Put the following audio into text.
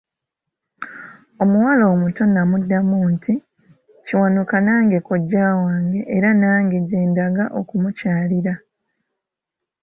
Omuwala omuto n'amuddamu nti, Kiwanuka nange kojja wange, era nange gye ndaga okumukyalira.